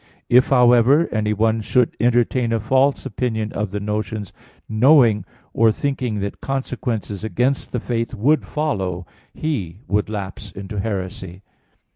If, however, anyone should entertain a false opinion of the notions, knowing or thinking that consequences against the faith would follow, he would lapse into heresy.